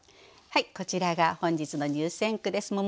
はいこちらが本日の入選句です。